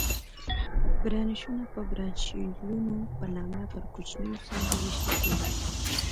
برانشونه په برانشیولونو په نامه پر کوچنیو څانګو وېشل کېږي.